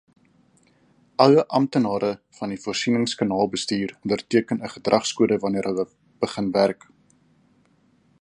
Alle amptenare van voorsieningskanaalbestuur onderteken 'n gedragskode wanneer hulle begin werk.